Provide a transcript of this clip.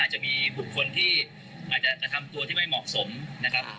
จะมีบุคคลที่อาจจะกระทำตัวที่ไม่เหมาะสมนะครับ